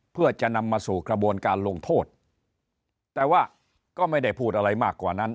เพื่อจะนำมาสู่กระบวนการลงโทษแต่ว่าก็ไม่ได้พูดอะไรมากกว่านั้น